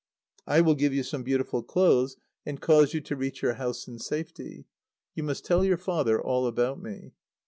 I will give you some beautiful clothes, and cause you to reach your house in safety. You must tell your father all about me."